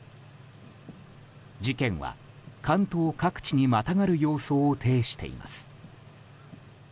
事件は関東各地にまたがる様相を呈しています。